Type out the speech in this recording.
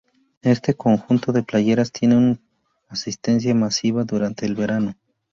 Este conjunto de playas tiene una asistencia masiva durante el verano.